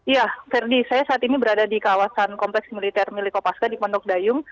ya ferdi saya saat ini berada di kawasan kompleks militer milik kopaska di pondok dayung